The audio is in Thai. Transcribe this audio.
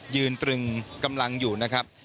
ตรึงกำลังอยู่นะครับ